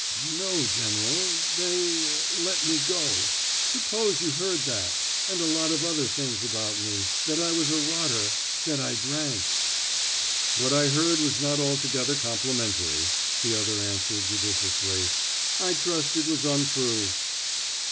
"No, General. They er let me go. Suppose you heard that and a lot of other things about me. That I was a rotter that I drank " "What I heard was not altogether complimentary," the other answered judiciously. "I trust it was untrue."